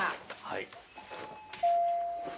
はい。